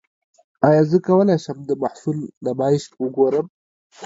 ایا زه کولی شم د محصول نمایش وګورم؟